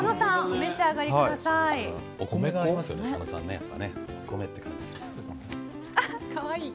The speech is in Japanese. お召し上がりください。